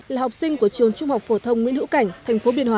là học sinh của trường trung học phổ thông nguyễn hữu cảnh thành phố biên hòa